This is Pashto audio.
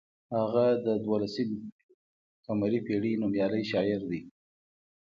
هغه د دولسم هجري قمري پیړۍ نومیالی شاعر دی.